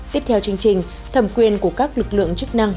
tiếp theo chương trình thẩm quyền của các lực lượng chức năng